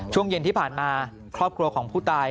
ช่วงเย็นที่ผ่านมาครอบครัวของผู้ตาย